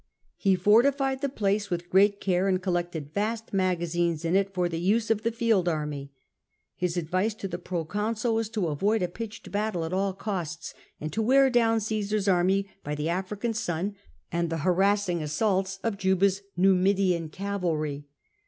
He fortified the place with great care, and collected vast magazines in it for the use of the field army. His advice to the proconsul was to avoid a pitched battle at all costs, and to wear down Cmsar's army by the African sun and the harassing assaults of Juba'n Numidian cavalry.